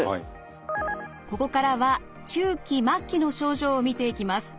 ここからは中期末期の症状を見ていきます。